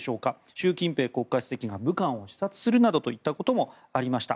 習近平国家主席が武漢を視察するなどといったこともありました。